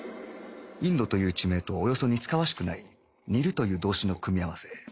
インドという地名とおよそ似つかわしくない「煮る」という動詞の組み合わせ